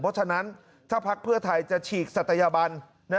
เพราะฉะนั้นถ้าพักเพื่อไทยจะฉีกศัตยบัน